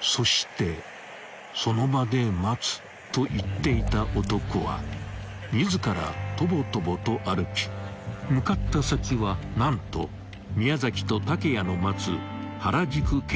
［そしてその場で待つと言っていた男は自らとぼとぼと歩き向かった先は何と宮と竹谷の待つ原宿警察署だった］